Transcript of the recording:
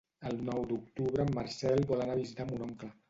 El nou d'octubre en Marcel vol anar a visitar mon oncle.